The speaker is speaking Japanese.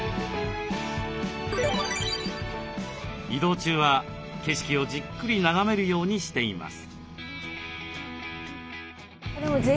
移動中は景色をじっくり眺めるようにしています。